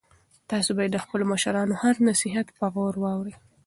تاسو باید د خپلو مشرانو هر نصیحت په غور واورئ.